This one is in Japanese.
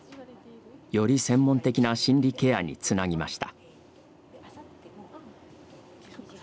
より専門的な心理ケアにつなぎました。